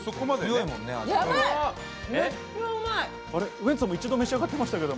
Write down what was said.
ウエンツさん、一度召し上がっていましたけど。